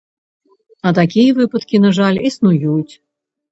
А такія выпадкі, на жаль, існуюць.